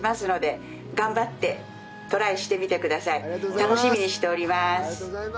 楽しみにしております。